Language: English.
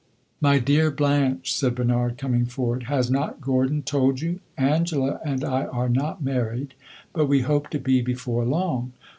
"My dear Blanche," said Bernard, coming forward, "has not Gordon told you? Angela and I are not married, but we hope to be before long.